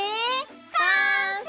完成！